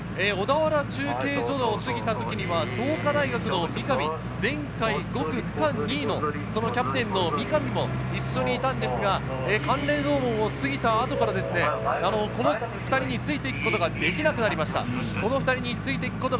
小田原中継所を過ぎたときには創価大学の三上、前回、５区、区間２位のキャプテンの三上も一緒にいたのですが、函嶺洞門を過ぎた後からこの２人についていくことができなくなりました。